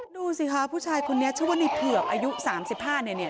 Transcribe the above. ดูสิค่ะผู้ชายคนนี้ชาวนิภวกอายุสามสิบห้าเนี่ยเนี้ย